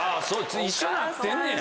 一緒になってんねや？